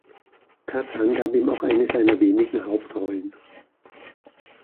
Kazan gab ihm auch eine seiner wenigen Hauptrollen.